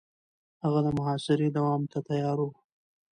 هغه د محاصرې دوام ته تيار و.